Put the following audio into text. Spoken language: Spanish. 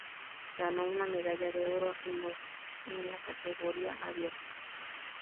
Ganó una medalla de oro en los en la categoría abierta.